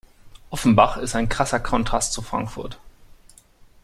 Offenbach ist ein krasser Kontrast zu Frankfurt.